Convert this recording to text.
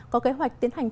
có kế hoạch tiến hành